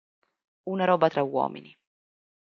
Una roba tra uomini.